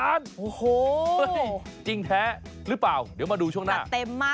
๙๐ล้านจริงถ้าหรือเปล่าอยากมาดูช่วงหน้า